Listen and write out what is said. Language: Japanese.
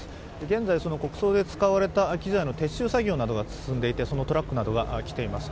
現在、国葬で使われた機材の撤収作業などが進んでいてそのトラックなどが来ています。